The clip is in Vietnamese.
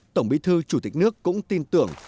tổng bí thư chủ tịch nước cũng tin tưởng